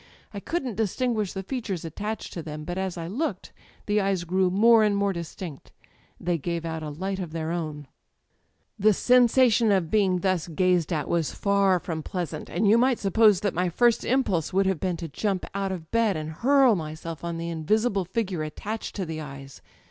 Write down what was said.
I couldn't distinguish the features attached to them, but as I looked the eyes grew more and more distinct: they gave out a light of their own. [ 253 ] Digitized by LjOOQ IC THE EYES The sensation of being thus gazed at was far from pleasant, and you might suppose that my first impulse would have been to jump out of bed and hurl myself on the invisible figure attached to the eyes.